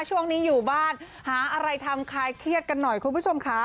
ช่วงนี้อยู่บ้านหาอะไรทำคลายเครียดกันหน่อยคุณผู้ชมค่ะ